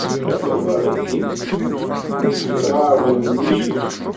A tawaɣit-iw, nekk yetɣerrben di Micix.